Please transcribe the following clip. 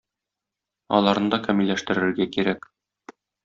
Аларны да камилләштерергә кирәк.